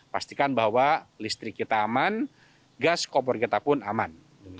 pastikan bahwa listrik kita aman gas kompor kita pun aman